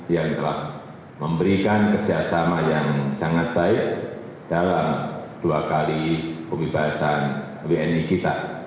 yang telah memberikan kerjasama yang sangat baik dalam dua kali pembebasan wni kita